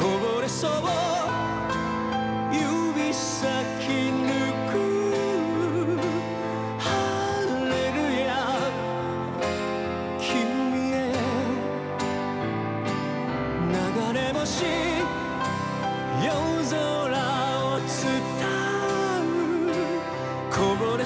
そう指先拭うハレルヤ君へ流れ星夜空を伝うこぼれ